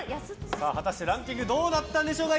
果たして、ランキングどうなったんでしょう。